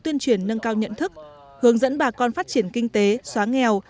tuyên truyền nâng cao nhận thức hướng dẫn bà con phát triển kinh tế xóa nghèo